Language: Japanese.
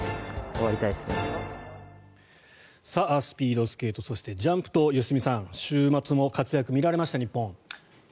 スピードスケートそしてジャンプと良純さん、週末も活躍が見られました、日本。